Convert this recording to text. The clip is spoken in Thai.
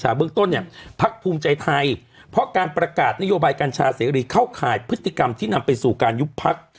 เบื้องต้นเนี่ยพักภูมิใจไทยเพราะการประกาศนโยบายกัญชาเสรีเข้าข่ายพฤติกรรมที่นำไปสู่การยุบพัก